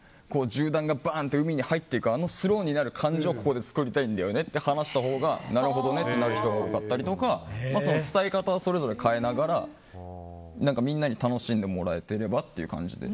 銃弾が海に入っていくあのスローになる感じをここで作りたいんだよねって話したほうがなるほどねってなる人もいたりとか伝え方はそれぞれ変えながらみんなに楽しんでもらえてればって感じで。